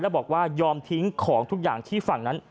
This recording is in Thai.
แล้วบอกว่ายอมทิ้งของทุกอย่างที่ฝั่งนั้น